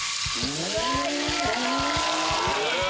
うわ！